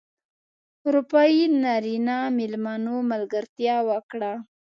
اروپايي نرینه مېلمنو ملګرتیا وکړه.